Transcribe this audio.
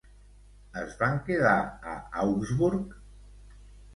Es van quedar a Augsburg?